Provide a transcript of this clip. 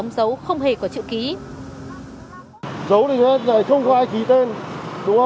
sau đó em ghép phần chữ ký và phần ứng lại vào để em xem ra